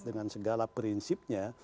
dengan segala prinsipnya